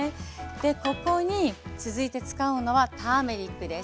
ここに続いて使うのはターメリックです。